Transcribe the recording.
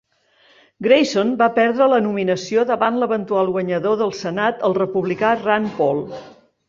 Grayson va perdre la nominació davant l'eventual guanyador del Senat, el republicà Rand Paul.